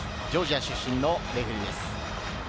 ジョージア出身のレフェリーです。